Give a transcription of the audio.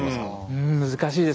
うん難しいですねえ。